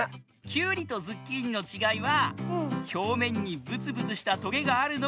キュウリとズッキーニのちがいはひょうめんにブツブツしたトゲがあるのがキュウリ。